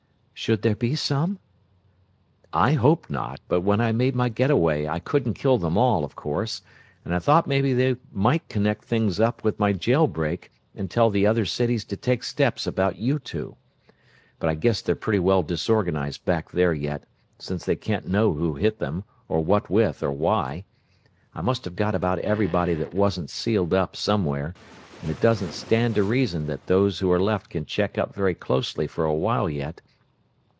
Should there be some?" "I hope not, but when I made my get away I couldn't kill them all, of course, and I thought maybe they might connect things up with my jail break and tell the other cities to take steps about you two. But I guess they're pretty well disorganized back there yet, since they can't know who hit them, or what with, or why. I must have got about everybody that wasn't sealed up somewhere, and it doesn't stand to reason that those who are left can check up very closely for a while yet.